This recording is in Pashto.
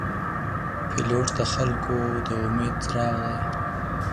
پیلوټ د خلګو د امید څراغ دی.